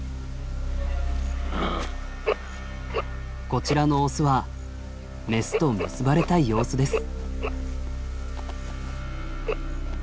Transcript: こちらのオスはメスと結ばれたい様子です。